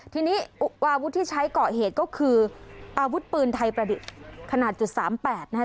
ทีนี้อาวุธที่ใช้เกาะเหตุก็คืออาวุธปืนไทยประดิษฐ์ขนาดจุดสามแปดนะคะ